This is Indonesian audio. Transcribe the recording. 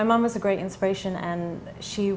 ibu saya adalah inspirasi yang sangat baik